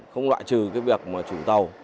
không loại trừ việc chủ tàu